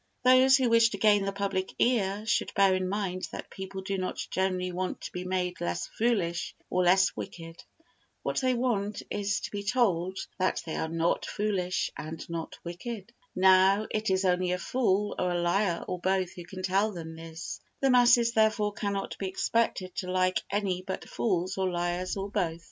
Those who wish to gain the public ear should bear in mind that people do not generally want to be made less foolish or less wicked. What they want is to be told that they are not foolish and not wicked. Now it is only a fool or a liar or both who can tell them this; the masses therefore cannot be expected to like any but fools or liars or both.